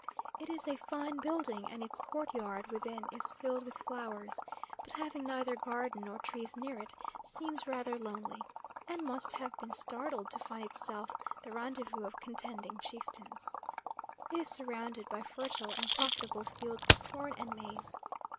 It is a fine building, and its courtyard within is filled with flowers; but having neither garden nor trees near it, seems rather lonely; and must have been startled to find itself the rendezvous of contending chieftains. It is surrounded by fertile and profitable fields of corn and maize.